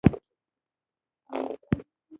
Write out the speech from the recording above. • ماشوم د مور په غېږ کښېناست.